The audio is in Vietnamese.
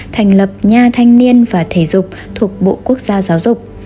thành lập nha thanh niên và thể dục thuộc bộ quốc gia giáo dục